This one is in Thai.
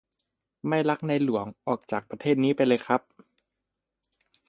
ไม่รักในหลวง ออกจากประเทศนี้ไปเลยครับ